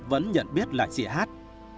vẫn nhận biết là chị hát